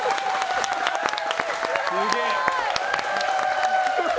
すげえ。